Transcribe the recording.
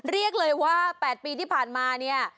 เรียกเลยว่า๘ปีที่ผ่านมาเนี่ย